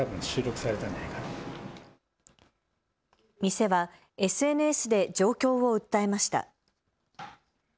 店はＳＮＳで状況を訴えました。